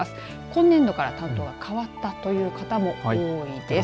今年度から担当が変わったという方も多いです。